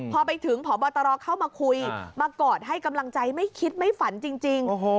พอไปถึงพบตรเข้ามาคุยมากอดให้กำลังใจไม่คิดไม่ฝันจริง